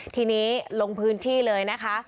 ทีนี้ลงพื้นที่เลยนะคะ